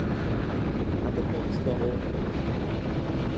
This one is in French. Raconte moi une histoire drôle.